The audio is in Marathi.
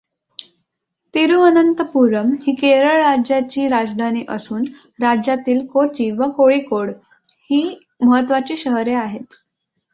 तिरुअनंतपुरम ही केरळ राज्याची राजधानी असून राज्यातील कोची व कोळिकोड ही महत्त्वाची शहरे आहेत.